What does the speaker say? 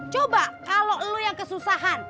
coba kalau lo yang kesusahan